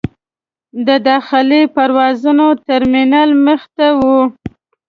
د داخلي پروازونو ترمینل مخې ته و.